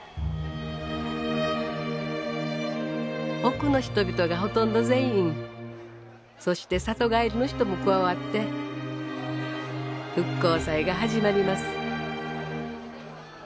奥の人々がほとんど全員そして里帰りの人も加わって復興祭が始まります。